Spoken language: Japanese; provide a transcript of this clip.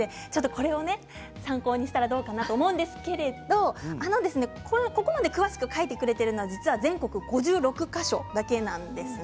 これ参考にしたらどうかなと思うんですけれどもここまで詳しく書いてくれてるのは実は全国５６か所だけなんです。